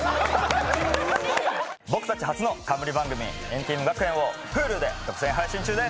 僕たち初の冠番組『＆ＴＥＡＭ学園』をＨｕｌｕで独占配信中です！